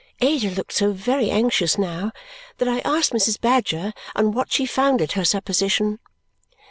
Ada looked so very anxious now that I asked Mrs. Badger on what she founded her supposition.